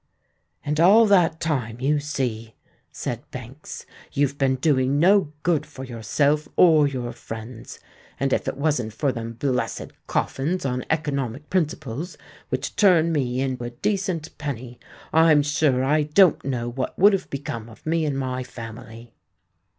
"And all that time, you see," said Banks, "you've been doing no good for yourself or your friends; and if it wasn't for them blessed coffins on economic principles, which turn me in a decent penny, I'm sure I don't know what would have become of me and my family."